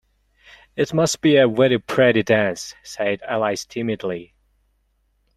‘It must be a very pretty dance,’ said Alice timidly.